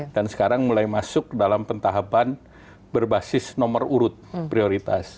dan sekarang mulai masuk dalam pentahapan berbasis nomor urut prioritas